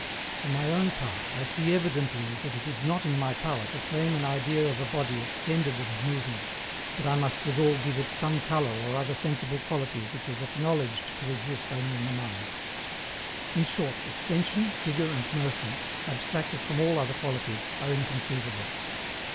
For my own part, I see evidently that it is not in my power to frame an idea of a body extended and moving, but I must withal give it some colour or other sensible quality which is ACKNOWLEDGED to exist only in the mind. In short, extension, figure, and motion, abstracted from all other qualities, are inconceivable.